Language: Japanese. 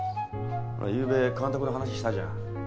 ほらゆうべ監督の話したじゃん。